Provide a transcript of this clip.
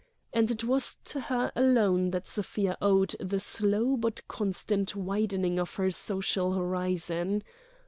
And it was to her alone that Sofia owed the slow but constant widening of her social horizon.